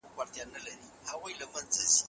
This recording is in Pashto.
د هرچا به له سفر څخه زړه شین و